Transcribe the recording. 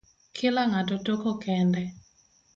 Kila ngato toko kende